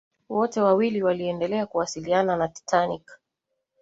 wote wawili waliendelea kuwasiliana na titanic